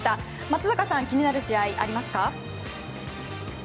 松坂さん気になる試合はありますか？